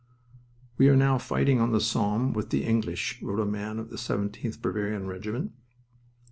"We are now fighting on the Somme with the English," wrote a man of the 17th Bavarian Regiment.